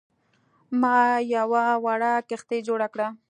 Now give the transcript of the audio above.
ما یوه وړه کښتۍ جوړه کړه.